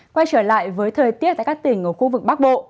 quay trở lại với thời tiết tại các tỉnh ở khu vực bắc bộ